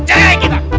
jaya kita kuntuk